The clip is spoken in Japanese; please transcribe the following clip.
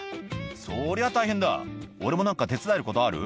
「そりゃ大変だ俺も何か手伝えることある？」